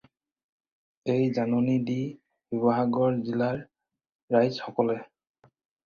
এই জাননী দি শিৱসাগৰ জিলাৰ ৰাইজ সকলে